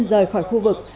rời khỏi khu vực